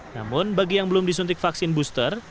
namun bagi yang belum disuntik vaksin booster